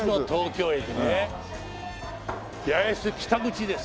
八重洲北口です。